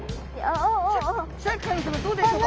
シャーク香音さまどうでしょうか？